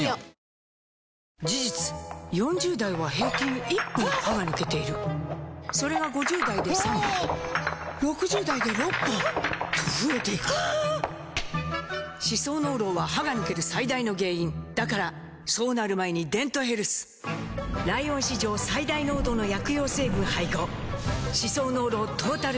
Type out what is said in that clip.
「ＮＯＮＩＯ」事実４０代は平均１本歯が抜けているそれが５０代で３本６０代で６本と増えていく歯槽膿漏は歯が抜ける最大の原因だからそうなる前に「デントヘルス」ライオン史上最大濃度の薬用成分配合歯槽膿漏トータルケア！